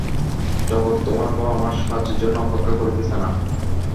জগৎ তোমার বা আমার সাহায্যের জন্য অপেক্ষা করিতেছে না।